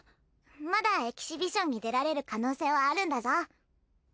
まだエキシビションに出られる可能性はあるんだぞ！